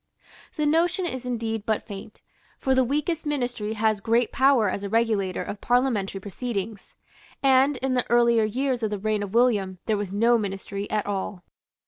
The notion is indeed but faint; for the weakest Ministry has great power as a regulator of parliamentary proceedings; and in the earlier years of the reign of William there was no Ministry at all.